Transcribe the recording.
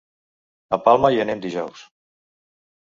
A Palma hi anem dijous.